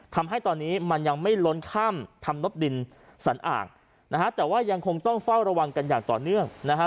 ทำให้ตอนนี้มันยังไม่ล้นข้ามทำนบดินสันอ่างนะฮะแต่ว่ายังคงต้องเฝ้าระวังกันอย่างต่อเนื่องนะฮะ